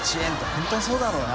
本当にそうだろうな。